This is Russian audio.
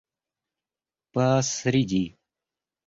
посреди